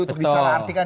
untuk disalah artikan